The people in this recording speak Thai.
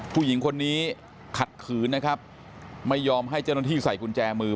ผู้หญิงคนนี้ขัดขืนนะครับไม่ยอมให้เจ้าหน้าที่ใส่กุญแจมือ